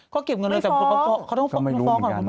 เขาเก็บเงินเลยแต่เขาต้องฟ้องก่อนครับคุณแม่ไม่ฟ้อง